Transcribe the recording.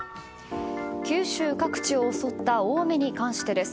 九州各地を襲った大雨に関してです。